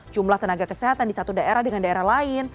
jumlah tenaga kesehatan di satu daerah dengan daerah lain